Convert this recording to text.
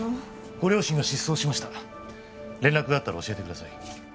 ご両親が失踪しました連絡があったら教えてください